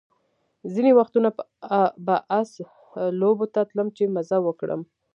ځینې وختونه به آس لوبو ته تلم چې مزه وکړم.